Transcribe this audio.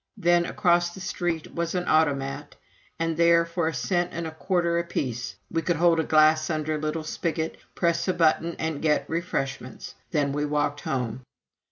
Then across the street was an "Automat," and there, for a cent and a quarter apiece, we could hold a glass under a little spigot, press a button, and get refreshments. Then we walked home.